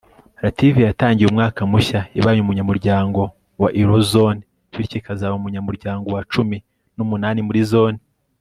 Lativiya yatangiye umwaka mushya ibaye umunyamuryango wa Eurozone bityo ikazaba umunyamuryango wa cumi numunani muri zone